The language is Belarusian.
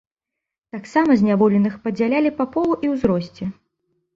Таксама зняволеных падзялялі па полу і ўзросце.